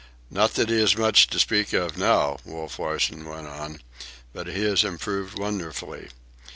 "Not that he is much to speak of now," Wolf Larsen went on, "but he has improved wonderfully.